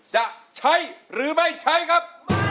จะใช้หรือไม่ใช้ครับ